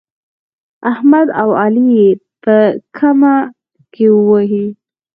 احمد او علي يې په ګمه کې وهي.